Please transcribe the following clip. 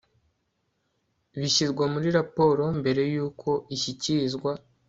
bishyirwa muri raporo mbere y uko ishyikirizwa